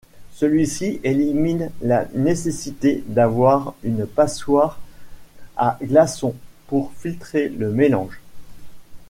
Celui-ci élimine la nécessité d'avoir une passoire à glaçons pour filtrer le mélange.